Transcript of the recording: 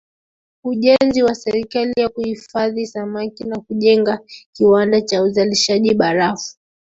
Ujenzi wa sehemu ya kuhifadhia samaki na kujenga kiwanda cha uzalishaji barafu